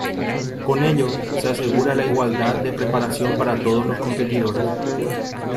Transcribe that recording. Con ello, se asegura la igualdad de preparación para todos los competidores.